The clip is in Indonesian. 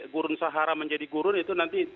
gurun sahara menjadi guru itu nanti